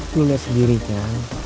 gue liat sendiri kak